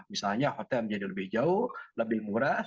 misalnya hotel menjadi lebih jauh lebih murah